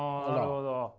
あなるほど。